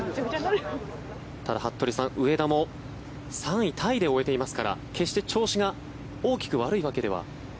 ただ、服部さん、上田も３位タイで終えていますから決して調子が大きく悪いわけでは。